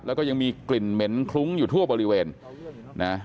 แล้วก็ยังมีกลิ่นเหม็นคลุ้งอยู่ทั่วบริเวณนะ